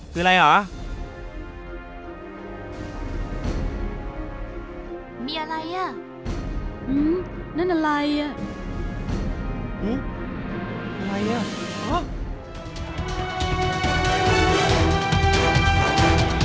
คืออะไรหรอ